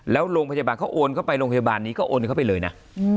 แล้วโรงพยาบาลเขาโอนเข้าไปโรงพยาบาลนี้ก็โอนเข้าไปเลยนะ